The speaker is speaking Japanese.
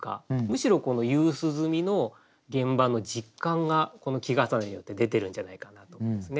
むしろこの夕涼みの現場の実感がこの季重なりによって出てるんじゃないかなと思いますね。